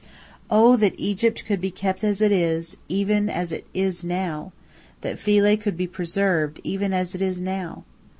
Oh, that Egypt could be kept as it is, even as it is now; that Philae could be preserved even as it is now!